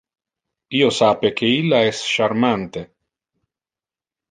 Io sape que illa es charmante.